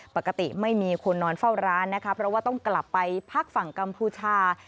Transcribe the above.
ปกติไม่มีคนนอนเฝ้าร้านนะคะเพราะว่าต้องกลับไปพักฝั่งกัมพูชา